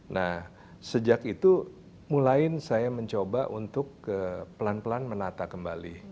nah sejak itu mulai saya mencoba untuk pelan pelan menata kembali